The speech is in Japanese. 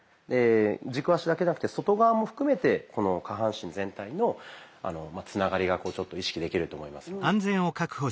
軸足だけじゃなくて外側も含めてこの下半身全体のつながりがちょっと意識できると思いますので。